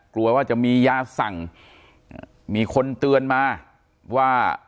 กลัวว่าจะมียาสั่งมีคนเตือนมาว่า